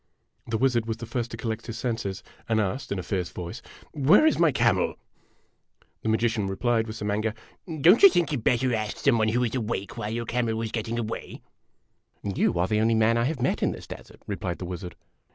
The wizard was the first to collect his senses, and asked, in a fierce voice :" Where is my camel ?" The magician replied, with some anger: "Don't you think you 'd better ask some one who was awake while your camel was getting away ?" 3* 37 IMAGINOTIONS " You are the only man I have met in this desert," replied the wizard.